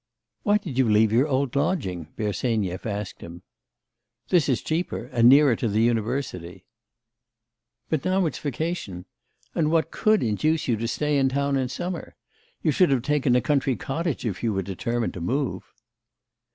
'Why did you leave your old lodging?' Bersenyev asked him. 'This is cheaper, and nearer to the university.' 'But now it's vacation.... And what could induce you to stay in the town in summer! You should have taken a country cottage if you were determined to move.